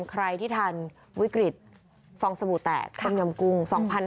ใครที่ทันวิกฤตฟองสบู่แตกสมยมกุ้ง๒๕๔๐